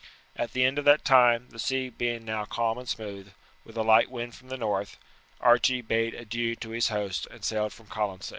At the end of that time, the sea being now calm and smooth, with a light wind from the north, Archie bade adieu to his hosts and sailed from Colonsay.